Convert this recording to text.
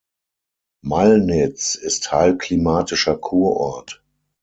Mallnitz ist Heilklimatischer Kurort.